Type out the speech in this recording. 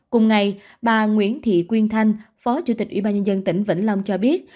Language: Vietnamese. cùng ngày bà nguyễn thị quyên thanh phó chủ tịch ủy ban nhân dân tỉnh vĩnh long cho biết